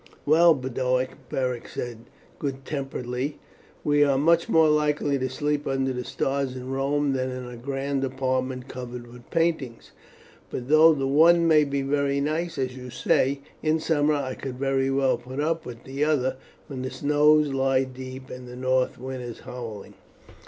"Well, Boduoc," Beric said good temperedly, "we are much more likely to sleep under the stars in Rome than in a grand apartment covered with paintings; but though the one may be very nice, as you say, in summer, I could very well put up with the other when the snow lies deep and the north wind is howling."